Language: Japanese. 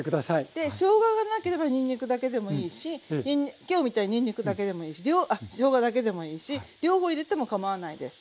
でしょうががなければにんにくだけでもいいし今日みたいににんにくだけでもいいしあしょうがだけでもいいし両方入れてもかまわないです。